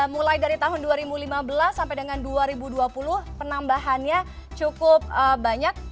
mulai dari tahun dua ribu lima belas sampai dengan dua ribu dua puluh penambahannya cukup banyak